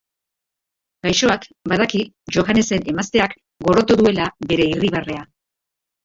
Gaixoak badaki Johannesen emazteak gorroto duela bere irribarrea.